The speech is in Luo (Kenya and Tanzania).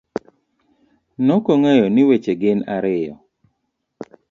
Nokong'eyo ni weche gin ariyo;